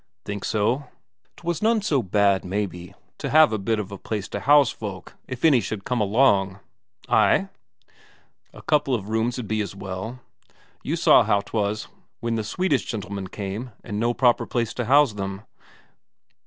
"Think so? 'Twas none so bad, maybe, to have a bit of a place to house folk if any should come along." "Ay." "A couple of rooms'd be as well. You saw how 'twas when they Swedish gentlemen came, and no proper place to house them.